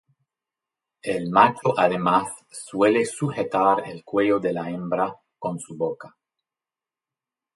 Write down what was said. El macho además, suele sujetar el cuello de la hembra con su boca.